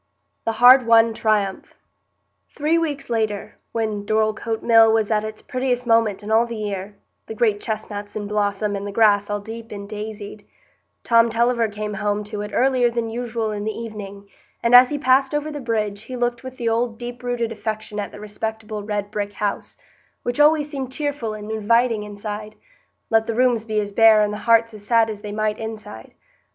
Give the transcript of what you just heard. The Hard Won Triumph Three weeks later, when Dorlcote Mill was at its prettiest moment in all the year,—the great chestnuts in blossom, and the grass all deep and daisied,—Tom Tulliver came home to it earlier than usual in the evening, and as he passed over the bridge, he looked with the old deep rooted affection at the respectable red brick house, which always seemed cheerful and inviting outside, let the rooms be as bare and the hearts as sad as they might inside.